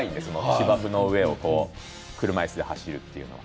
芝生の上を車いすで走るというのは。